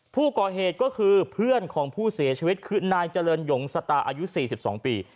ผู้ก่อเหตุก็คือเพื่อนของผู้เสียชีวิตคือนายเจริญหยงสตาอายุ๔๒ปี